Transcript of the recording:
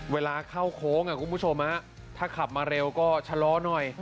เวลาเข้าโค้งคุณผู้ชมถ้าขับมาเร็วก็ชะลอหน่อย